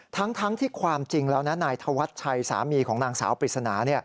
ทั้งที่ความจริงแล้วนะนายธวัชชัยสามีของนางสาวปริศนา